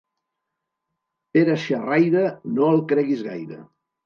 Pere xerraire no el creguis gaire.